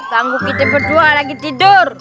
kamu berdua lagi tidur